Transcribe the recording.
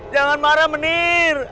jangan marah menir